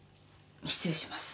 失礼します。